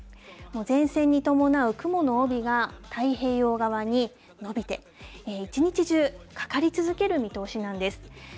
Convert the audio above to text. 前線に伴う雲の帯が、太平洋側に延びて、一日中かかり続ける見通しなんです。